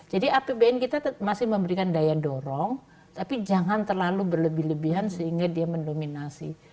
jadi apbn kita masih memberikan daya dorong tapi jangan terlalu berlebih lebihan sehingga dia mendominasi